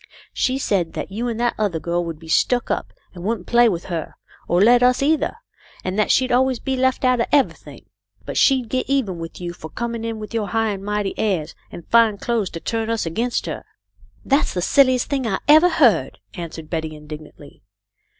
" She said that you and that other girl would be stuck up and wouldn't play with her, or let us either, and that she'd always be left out of everything. But she'd get even with you for com ing in with your high and mighty airs and fine clothes to turn us against her." " That's the silliest thing I ever heard," answered Betty, indignantly.